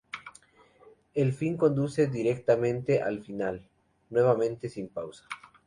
El fin conduce directamente al final, nuevamente sin pausa.